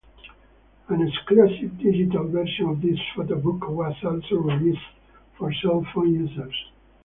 An exclusive digital version of this photobook was also released for cell phone users.